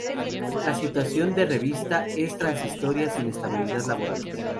La situación de revista es transitoria sin estabilidad laboral.